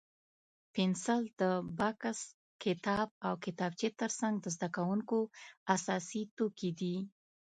پنسل د بکس، کتاب او کتابچې تر څنګ د زده کوونکو اساسي توکي دي.